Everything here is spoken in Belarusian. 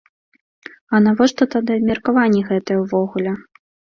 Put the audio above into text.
А навошта тады абмеркаванні гэтыя ўвогуле?